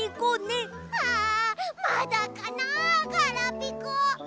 あまだかなガラピコ。